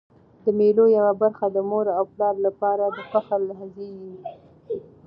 د مېلو یوه برخه د مور او پلار له پاره د فخر لحظې يي.